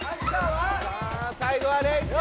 さあ最後はレイちゃん！